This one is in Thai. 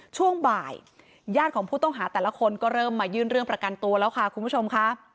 ช่วงบ่ายญาติของผู้ต้องหาแต่ละคนก็เริ่มมายื่นเรื่องประกันตัวแล้วค่ะคุณผู้ชมค่ะ